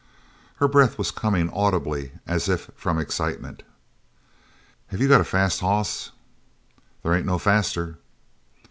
Her breath was coming audibly as if from excitement. "Have you got a fast hoss?" "There ain't no faster."